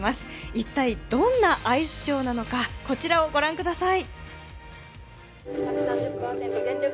一体、どんなアイスショーなのか、こちらをご覧ください。